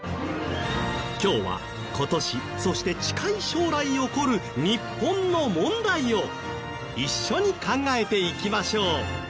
今日は今年そして近い将来起こる日本の問題を一緒に考えていきましょう。